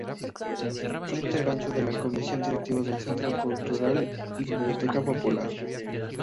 Fue integrante de la Comisión Directiva del Centro Cultural y Biblioteca Popular.